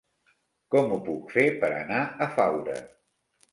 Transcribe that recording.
Com ho puc fer per anar a Faura?